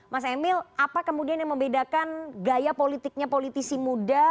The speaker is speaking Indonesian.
mas emil apa kemudian yang membedakan gaya politiknya politisi muda